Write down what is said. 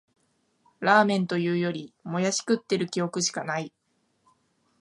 ラーメンというより、もやし食ってる記憶しかない